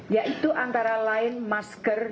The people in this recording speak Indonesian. yaitu antara lain masker